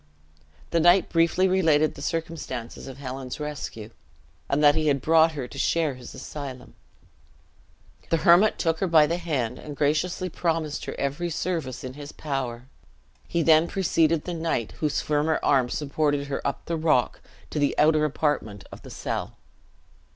The knight briefly related the circumstances of Helen's rescue, and that he had brought her to share his asylum. The hermit took her by the hand, and graciously promised her every service in his power. He then preceded the knight, whose firmer arm supported her up the rock, to the outer apartment of the cell.